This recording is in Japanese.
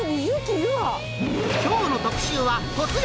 きょうの特集は、突撃！